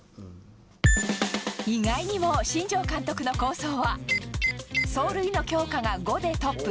意外にも新庄監督の構想は走塁の強化が５でトップ。